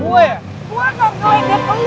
gue gak gede banget pake baju ini